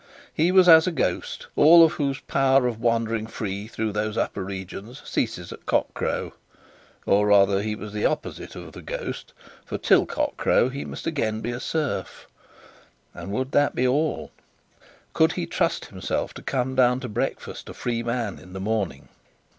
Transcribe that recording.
He was as a ghost, all whose power of wandering free through these upper regions ceases at cock crow; or rather he was the opposite of the ghost, for till cock crow he must again be a serf. And would that be all? Could he trust himself to come down to breakfast a free man in the morning?